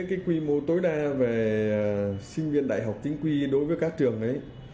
cái quy mô tối đa về sinh viên đại học chính quy đối với các trường đấy